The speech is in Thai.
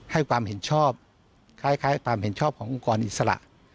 ให้ความเห็นชอบคล้ายความเห็นชอบขององค์กรอิสระ